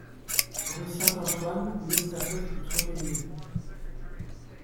Rue Saint-Antoine, l'estafette put trotter mieux.